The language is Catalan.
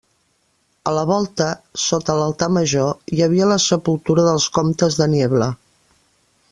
A la volta, sota l'altar major, hi havia la sepultura dels comtes de Niebla.